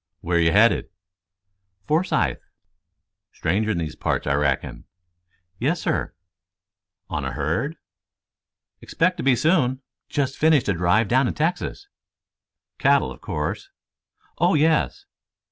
"Where you headed!" "Forsythe." "Stranger in these parts, I reckon?" "Yes, sir." "On a herd?" "Expect to be soon. Just finished a drive down in Texas." "Cattle, of course?" "Oh, yes."